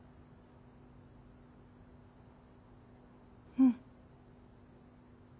うん。